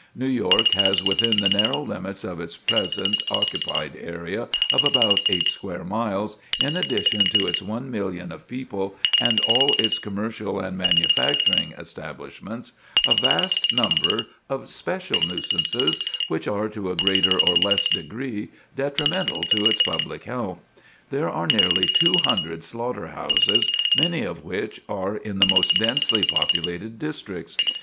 New York has within the narrow limits of its present occupied area of about eight square miles, in addition to its one million of people, and all its commercial and manufacturing establishments, a vast number of special nuisances, which are, to a greater or less degree, detrimental to its public health. There are nearly 200 slaughter houses, many of which are in the most densely populated districts.